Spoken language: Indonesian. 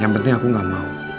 yang penting aku gak mau